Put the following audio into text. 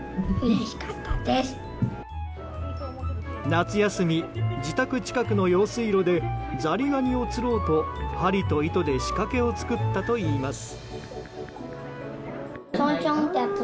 夏休み、自宅近くの用水路でザリガニを釣ろうと針と糸で仕掛けを作ったといいます。